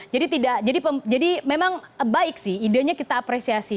jadi memang baik sih idenya kita apresiasi